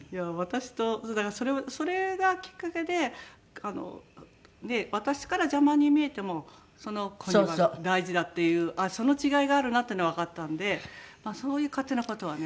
だからそれがきっかけで私から邪魔に見えてもその子には大事だっていうその違いがあるなっていうのはわかったんでそういう勝手な事はね。